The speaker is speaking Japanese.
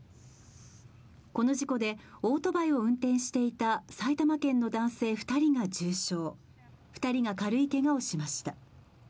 この事故でオートバイを運転していた埼玉県の男性２人が重傷、２人が軽いけがをしました。